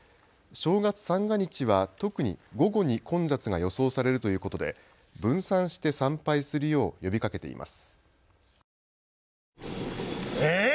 正月三が日は特に午後に混雑が予想されるということで、分散して参拝するよう呼びかけています。